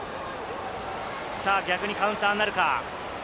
逆にカウンターになるか。